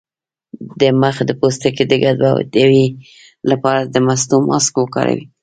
د مخ د پوستکي د ګډوډۍ لپاره د مستو ماسک وکاروئ